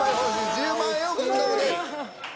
１０万円を獲得です。